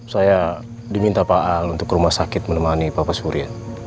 saya diminta pak al untuk ke rumah sakit menemani bapak surya